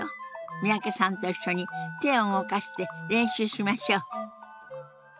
三宅さんと一緒に手を動かして練習しましょう。